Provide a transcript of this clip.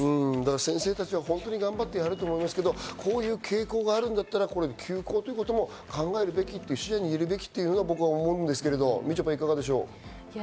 先生たちは本当に頑張ってやっていると思いますけど、こういう傾向があるなら休校ということも考えるべき、視野に入れるべきだと僕は思うんですけど、みちょぱ、いかがでしょう？